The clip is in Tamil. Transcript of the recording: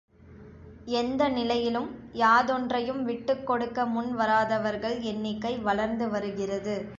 எந்த நிலையிலும் யாதொன்றையும் விட்டுக் கொடுக்க முன்வராதவர்கள் எண்ணிக்கை வளர்ந்து வருகிறது.